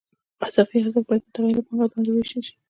اضافي ارزښت باید په متغیره پانګه باندې ووېشل شي